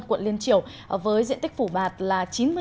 quận liên triều với diện tích phủ bạt là chín mươi m